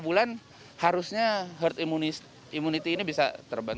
dua tiga bulan harusnya herd immunity ini bisa tercapai